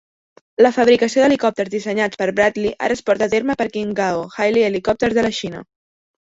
La fabricació d'helicòpters dissenyats per Brantly ara es porta a terme per Qingdao Hailie Helicopters de la Xina.